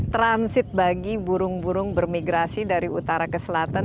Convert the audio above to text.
transit bagi burung burung bermigrasi dari utara ke selatan